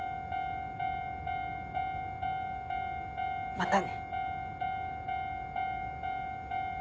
またね。